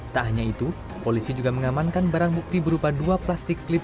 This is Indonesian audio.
tak hanya itu polisi juga mengamankan barang bukti berupa dua plastik klip